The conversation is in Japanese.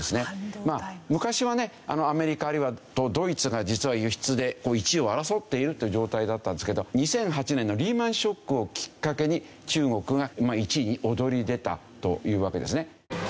まあ昔はねアメリカあるいはドイツが実は輸出で１位を争っているという状態だったんですけど２００８年のリーマンショックをきっかけに中国が１位に躍り出たというわけですね。